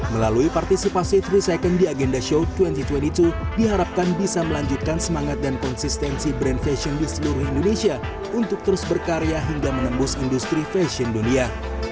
melalui partisipasi tiga second di agenda show dua ribu dua puluh dua diharapkan bisa melanjutkan semangat dan konsistensi brand fashion di seluruh indonesia untuk terus berkarya hingga menembus industri fashion dunia